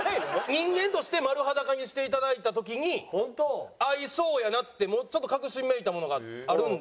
人間として丸裸にしていただいた時に合いそうやなってちょっと確信めいたものがあるんで。